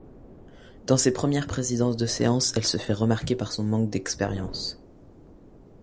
Dans ses premières présidences de séance, elle se fait remarquer par son manque d'expérience.